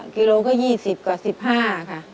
กิโลก็ยี่สิบกว่าสิบห้าค่ะ